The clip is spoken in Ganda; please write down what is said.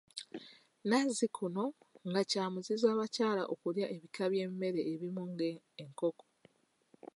Nazzikuno nga kya muzizo abakyala okulya ebika by'emmere ebimu nga enkoko.